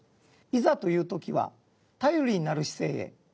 いざという時は頼りになる市政へ。